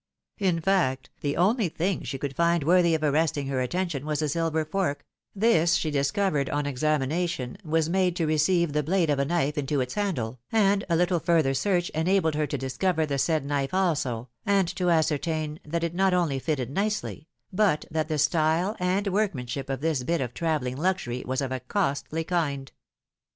In fact, the only thing she could find worthy of arresting her attention was a silver fork — ^this she discovered, on examination, was made to receive the blade of a knife into its handle, and a little further search enabled her to discover the said knife also, and to ascertain that it not only fitted nicely, but that the style and workmanship of this bit of travelling luxury was of a costly kind.